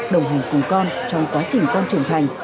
đồng hành cùng con trong quá trình con trưởng thành